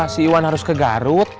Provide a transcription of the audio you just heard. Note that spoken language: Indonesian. si iwan harus ke garut